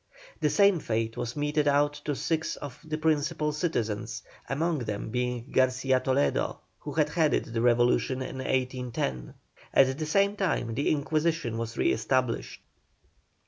The same fate was meted out to six of the principal citizens, among them being Garcia Toledo, who had headed the revolution in 1810. At the same time the Inquisition was re established.